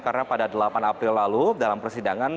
karena pada delapan april lalu dalam persidangan